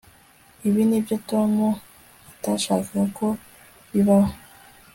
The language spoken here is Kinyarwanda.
ibi nibyo tom atashakaga ko bibaho